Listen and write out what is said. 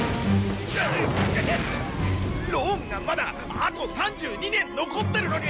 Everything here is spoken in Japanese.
ローンがまだあと３２年残ってるのに！